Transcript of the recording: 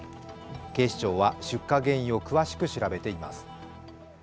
警視庁は出火原因を詳しく調べています。